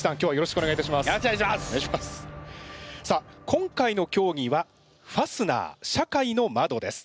今回の競技は「ファスナー社会の窓」です。